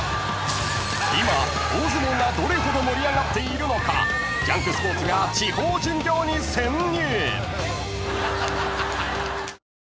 ［今大相撲がどれほど盛り上がっているのか『ジャンクＳＰＯＲＴＳ』が地方巡業に潜入］